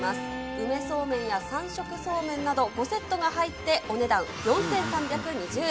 梅そうめんや３食そうめんなど、５セットが入って、お値段、４３２０円。